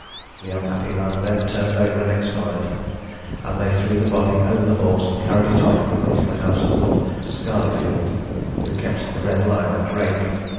The unhappy man then turned over and expired; and they threw the body over the horse, and carried it off with them to the house of one Scardefield, who kept the Red Lion at Rake.